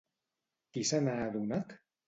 Qui se n'ha adonat?